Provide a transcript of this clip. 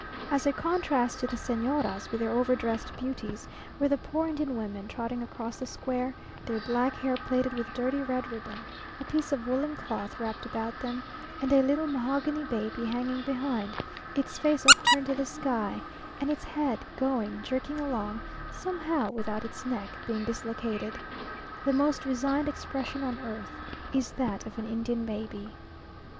] As a contrast to the Señoras, with their over dressed beauties, were the poor Indian women, trotting across the square, their black hair plaited with dirty red ribbon, a piece of woollen cloth wrapped about them, and a little mahogany baby hanging behind, its face upturned to the sky, and its head going jerking along, somehow without its neck being dislocated. The most resigned expression on earth is that of an Indian baby.